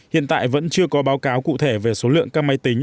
hiện tại vẫn chưa có báo cáo cụ thể về số lượng các máy tính